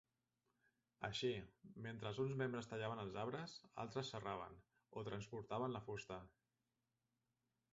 Així, mentre uns membres tallaven els arbres, altres serraven o transportaven la fusta.